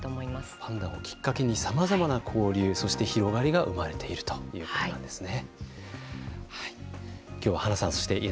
パンダをきっかけにさまざまな交流そして広がりが生まれているということなんですね。ということなんですね。